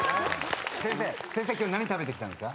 先生先生今日何食べてきたんですか？